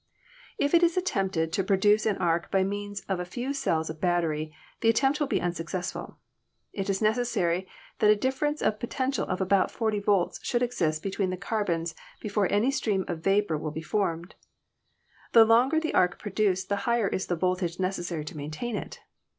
If it is attempted to pro duce an arc by means of a few cells of battery the at tempt will be unsuccessful. It is necessary that a differ ence of potential of about 40 volts should exist between the carbons before any stream of vapor will be formed. The longer the arc produced the higher is the voltage necessary to maintain it.